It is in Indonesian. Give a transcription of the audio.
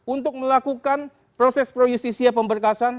untuk melakukan proses pro justisia pemberkasan